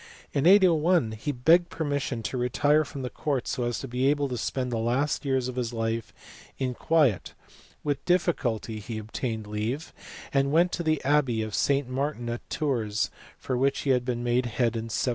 In 801 he begged permission to retire from the court so as to be able to spend the last years of his life in quiet: with dif ficulty he obtained leave, and went to the abbey of St. Martin at Tours, of which he had been made head in 796.